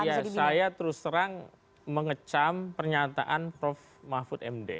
ya saya terus terang mengecam pernyataan prof mahfud md